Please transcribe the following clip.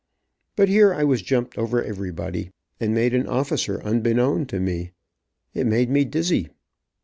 But here I was jumped over everybody, and made an officer unbeknown to me, It made me dizzy.